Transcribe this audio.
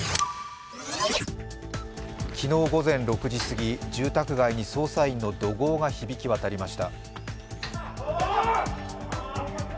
昨日午前６時過ぎ、住宅街に捜査員の怒号が響き渡りました。